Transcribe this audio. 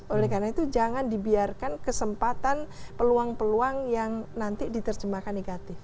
oleh karena itu jangan dibiarkan kesempatan peluang peluang yang nanti diterjemahkan negatif